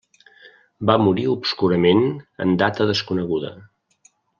Va morir obscurament en data desconeguda.